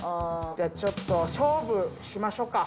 じゃあ、ちょっと勝負しましょうか。